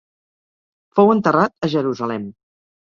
Fou enterrat a Jerusalem.